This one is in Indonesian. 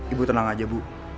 ibu tenang aja bu